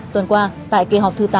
tuần qua tại kỳ họp thứ tám